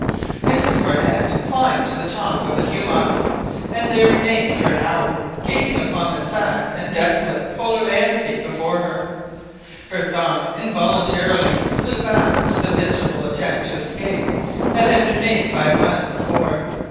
Mrs Barnett climbed to the top of the hummock, and there remained for an hour, gazing upon the sad and desolate Polar landscape before her. Her thoughts involuntarily flew back to the miserable attempt to escape that had been made five months before.